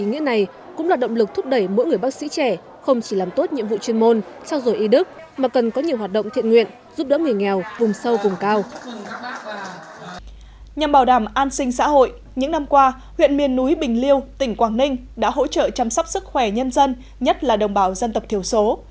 huyện miền núi bình liêu tỉnh quảng ninh đã hỗ trợ chăm sóc sức khỏe nhân dân nhất là đồng bào dân tộc thiểu số